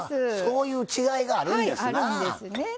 そういう違いがあるんですなぁ。